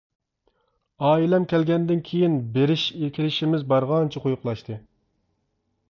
ئائىلەم كەلگەندىن كېيىن بېرىش كېلىشىمىز بارغانچە قويۇقلاشتى.